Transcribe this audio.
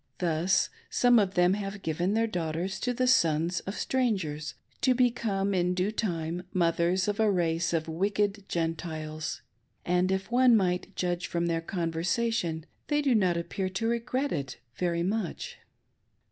Thus, some of them have given their daughters to the sons of strangers, to become in due time mothers of a race of wicked Gentiles, and if one might judge from their conversation they do not appear to regret it very much.